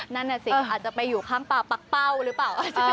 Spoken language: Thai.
นั่นน่ะสิอาจจะไปอยู่ข้างป่าปั๊กเป้าหรือเปล่า